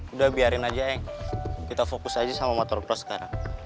udah biarin aja eng kita fokus aja sama motocross sekarang